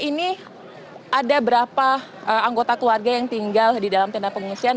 ini ada berapa anggota keluarga yang tinggal di dalam tenda pengungsian